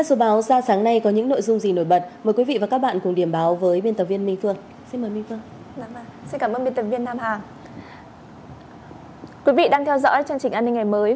thưa quý vị đang theo dõi chương trình an ninh ngày mới